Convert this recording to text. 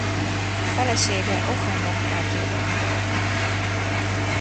Felesége Offenbach Erzsébet volt.